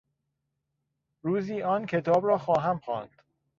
روزی آن کتاب را خواهم خواند.